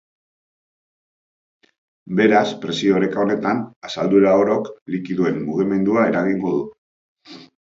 Beraz, presio oreka honetan asaldura orok likidoen mugimendua eragingo du.